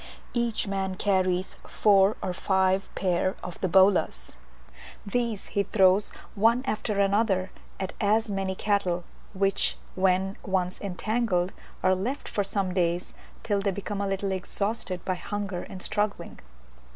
Each man carries four or five pair of the bolas; these he throws one after the other at as many cattle, which, when once entangled, are left for some days till they become a little exhausted by hunger and struggling.